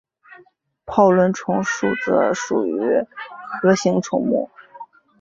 泡轮虫属则属于核形虫目。